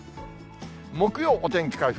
木曜、お天気回復。